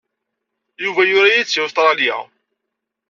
Yuba yura-yi-d seg Ustṛalya.